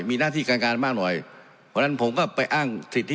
มีหน้าที่การการมากหน่อยเพราะฉะนั้นผมก็ไปอ้างสิทธิ